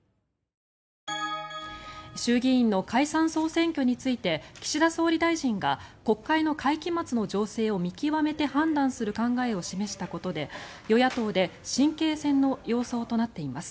衆議院の解散・総選挙について岸田総理大臣が国会の会期末の情勢を見極めて判断する考えを示したことで与野党で神経戦の様相となっています。